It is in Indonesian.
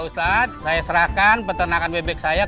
ustadz saya serahkan peternakan bebek saya